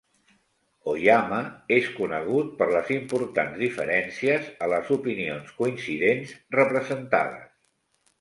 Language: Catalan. "Oyama" és conegut per les importants diferències a les opinions coincidents representades.